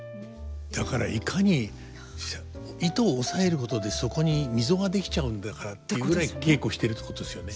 だからいかに糸を押さえることでそこに溝が出来ちゃうんだからっていうぐらい稽古してるってことですよね。